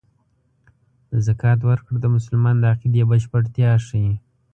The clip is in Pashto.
د زکات ورکړه د مسلمان د عقیدې بشپړتیا ښيي.